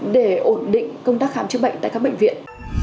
để ổn định công tác khám chữa bệnh tại các bệnh viện